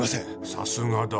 さすがだ。